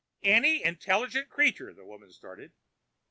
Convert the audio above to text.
"Any intelligent creature " the woman started.